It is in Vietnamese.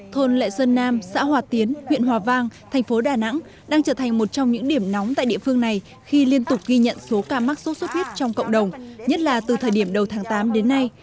thôn lệ sơn nam xã hòa tiến huyện hòa vang thành phố đà nẵng đang trở thành một trong những điểm nóng tại địa phương này khi liên tục ghi nhận số ca mắc sốt xuất huyết trong cộng đồng nhất là từ thời điểm đầu tháng tám đến nay